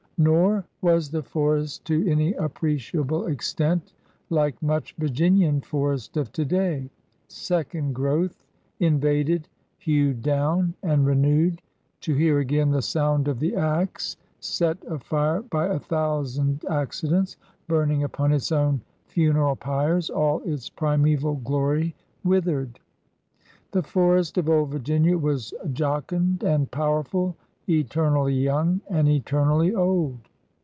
Nor was the forest to any appreciable extent like much Virginian forest of today, second growth, invaded, hewed down, and renewed, to hear again the sound of the axe, set afire by a thousand accidents, burning upon its own funeral pyres, all its primeval glory withered. The forest of (Ad Virginia was jocund and powerful, eternally young and eternally old.